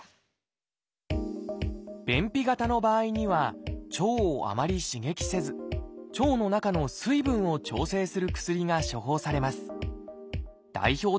便秘型の場合には腸をあまり刺激せず腸の中の水分を調整する薬が処方されます。